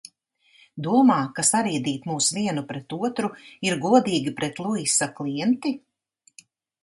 Domā, ka sarīdīt mūs vienu pret otru ir godīgi pret Luisa klienti?